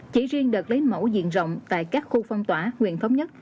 chỉ riêng đợt lấy mẫu diện rộng tại các khu phong tỏa nguyện thống nhất